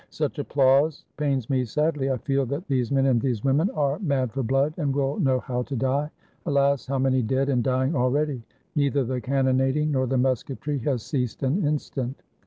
Such applause pains me sadly. I feel that these men and these women are mad for blood, and will know how to die. Alas! how many dead and dying al ready! Neither the cannonading nor the musketry has ceased an instant.